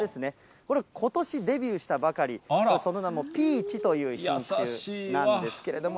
これ、ことしデビューしたばかり、その名もピーチという品種なんですけれども。